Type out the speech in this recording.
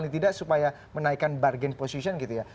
tidak supaya menaikkan barang posisi gitu ya